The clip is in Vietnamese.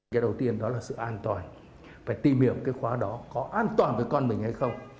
cái đầu tiên đó là sự an toàn phải tìm hiểu cái khóa đó có an toàn với con mình hay không